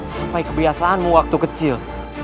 sampai kebiasaanmu waktu kecil